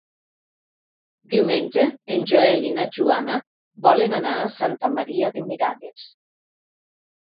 Diumenge en Joel i na Joana volen anar a Santa Maria de Miralles.